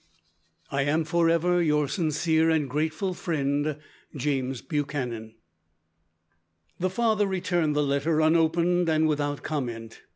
"I am forever, your sincere and grateful friend, "JAMES BUCHANAN." The father returned the letter unopened and without comment.